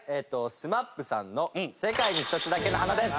ＳＭＡＰさんの『世界に一つだけの花』です。